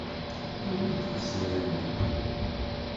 Awi-d tisura-nni.